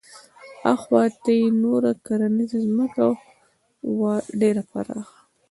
اخواته یې نوره کرنیزه ځمکه وه ډېره پراخه.